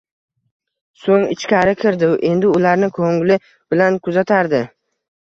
So'ng ichkari kirdi. Endi ularni ko'ngli bilan kuzatardi.